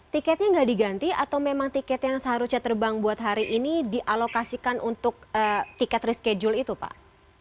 tiketnya nggak diganti atau memang tiket yang seharusnya terbang buat hari ini dialokasikan untuk tiket reschedule itu pak